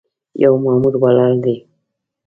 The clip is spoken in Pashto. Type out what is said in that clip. یو مامور ولاړ دی.